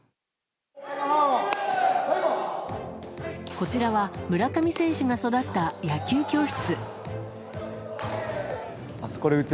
こちらは村上選手が育った野球教室。